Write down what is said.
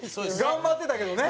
頑張ってたけどね。